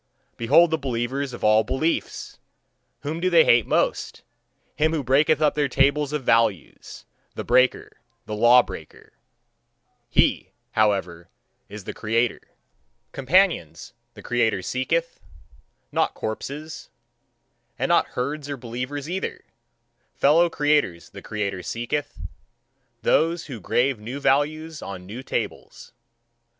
Behold the believers of all beliefs! Whom do they hate most? Him who breaketh up their tables of values, the breaker, the law breaker he, however, is the creator. Companions, the creator seeketh, not corpses and not herds or believers either. Fellow creators the creator seeketh those who grave new values on new tables.